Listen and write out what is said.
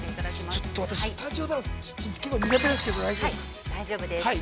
◆私、スタジオでは、結構苦手ですけど、大丈夫ですか。